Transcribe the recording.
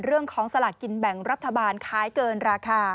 เรื่องของสลากกินแบ่งรัฐบาลขายเกินราคา